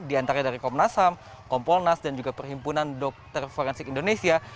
di antara dari komnas ham kompolnas dan juga perhimpunan dokter forensik indonesia